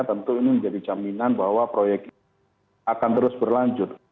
tentu ini menjadi jaminan bahwa proyek ini akan terus berlanjut